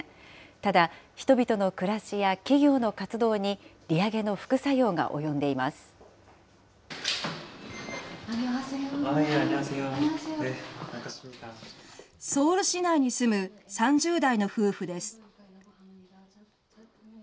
ただ、人々の暮らしや企業の活動に、利上げの副作用が及んでいまソウル市内に住む３０代の夫婦です。